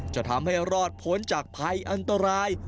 จะทำให้รอดพ้นจากภัยอันตราย